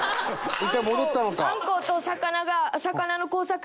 １回戻ったのか。